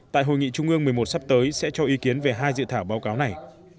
tại hội nghị trung ương một mươi một sắp tới sẽ cho ý kiến về hai dự thảo báo cáo này